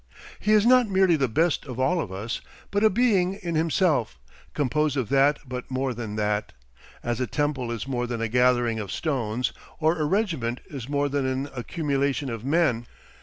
He is not merely the best of all of us, but a Being in himself, composed of that but more than that, as a temple is more than a gathering of stones, or a regiment is more than an accumulation of men.